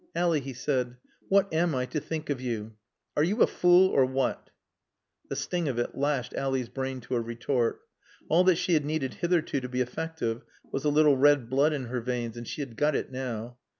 "Ally," he said, "what am I to think of you? Are you a fool or what?" The sting of it lashed Ally's brain to a retort. (All that she had needed hitherto to be effective was a little red blood in her veins, and she had got it now.)